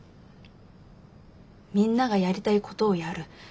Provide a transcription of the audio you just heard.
みんながやりたいことをやる。